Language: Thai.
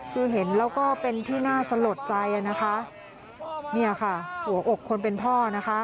คือเห็นแล้วก็เป็นที่น่าสลดใจอ่ะนะคะเนี่ยค่ะหัวอกคนเป็นพ่อนะคะ